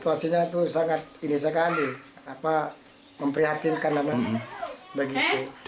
apa memprihatinkan bagi itu